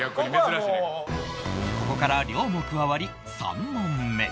ここから亮も加わり３問目